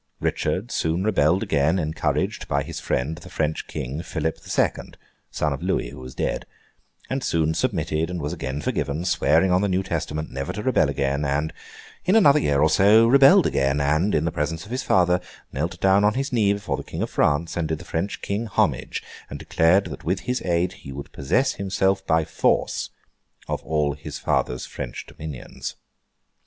Richard soon rebelled again, encouraged by his friend the French King, Philip the Second (son of Louis, who was dead); and soon submitted and was again forgiven, swearing on the New Testament never to rebel again; and in another year or so, rebelled again; and, in the presence of his father, knelt down on his knee before the King of France; and did the French King homage: and declared that with his aid he would possess himself, by force, of all his father's French dominions.